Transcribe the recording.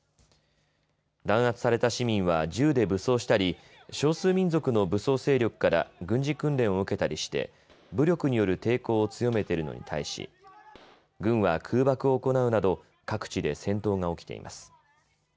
弾圧された市民は銃で武装したり少数民族の武装勢力から軍事訓練を受けたりして武力による抵抗を強めているのに対し軍は空爆を行うなど各地で戦闘が起きています。